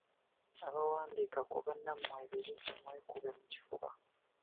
Abawandiika ku bannammwe ebibi mwekube mu kifuba.